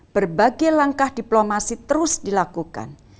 berbagai langkah diplomasi terus dilakukan